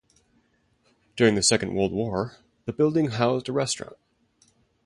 During the Second World War the building housed a restaurant.